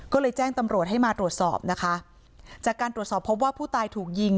ก็เลยแจ้งตำรวจให้มาตรวจสอบนะคะจากการตรวจสอบพบว่าผู้ตายถูกยิง